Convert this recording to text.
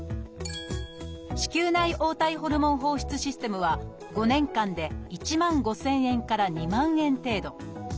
子宮内黄体ホルモン放出システムは５年間で１万５，０００円から２万円程度。